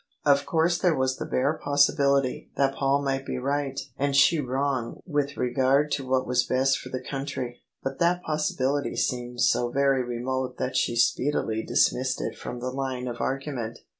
Of course there was the bare possibility that Paul might be right and she wrong with regard to what was best for the country: but that possibility seemed so very remote that she speedily dismissed it from the line of argument.